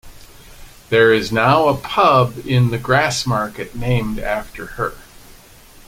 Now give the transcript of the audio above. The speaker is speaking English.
There is now a pub in the Grassmarket named after her.